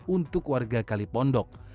untuk warga kalipondok